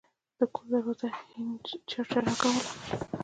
د کور دروازې هینج چرچره کوله.